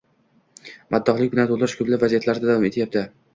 maddohlik bilan to‘ldirish ko‘plab vaziyatlarda davom etyapti.